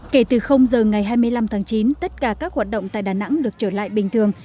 kể từ giờ ngày hai mươi năm tháng chín tất cả các hoạt động tại đà nẵng được trở lại bình thường